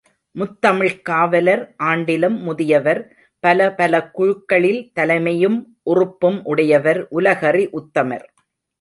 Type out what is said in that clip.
முத்தமிழ்க் காவலர், ஆண்டிலும் முதியவர், பல பல குழுக்களில் தலைமையும் உறுப்பும் உடையவர், உலகறி உத்தமர்.